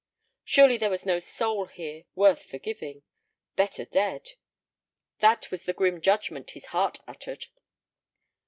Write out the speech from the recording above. Surely there was no soul here worth forgiving. Better dead. That was the grim judgment his heart uttered.